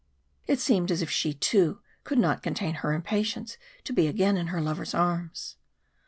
It seemed as if she, too, could not contain her impatience to be again in her lover's arms.